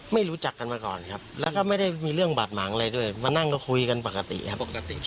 ไม่รู้จักกันมาก่อนครับแล้วก็ไม่ได้มีเรื่องบาดหมางอะไรด้วยมานั่งก็คุยกันปกติครับปกติ